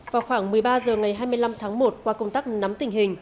vào khoảng một mươi ba h ngày hai mươi năm tháng một qua công tác nắm tình hình